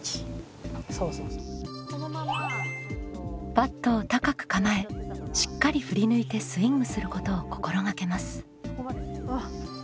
バットを高く構えしっかり振り抜いてスイングすることを心がけます。